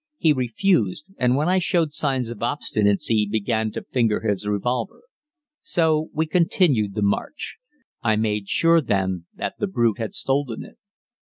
He refused, and when I showed signs of obstinacy began to finger his revolver. So we continued the march. I made sure then that the brute had stolen it.